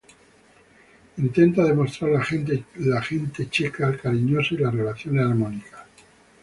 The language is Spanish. Intenta demostrar la gente checa cariñosa y las relaciones armónicas.